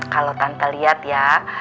kalau tante lihat ya